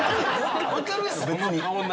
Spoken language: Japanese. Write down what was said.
わかるやろ別に。